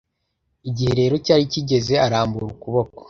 igihe rero cyari kigeze, arambura ukuboko.